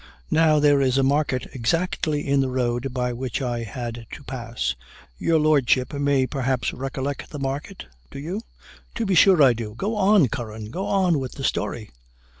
Now there is a market exactly in the road by which I had to pass your Lordship may perhaps recollect the market do you?" "To be sure I do go on, Curran go on with the story."